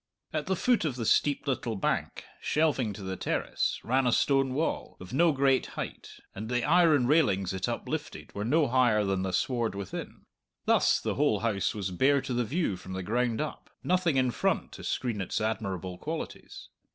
At the foot of the steep little bank shelving to the terrace ran a stone wall, of no great height, and the iron railings it uplifted were no higher than the sward within. Thus the whole house was bare to the view from the ground up, nothing in front to screen its admirable qualities.